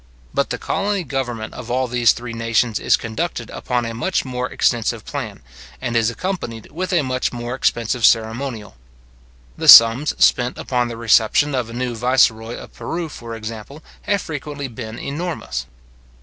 But the colony government of all these three nations is conducted upon a much more extensive plan, and is accompanied with a much more expensive ceremonial. The sums spent upon the reception of a new viceroy of Peru, for example, have frequently been enormous.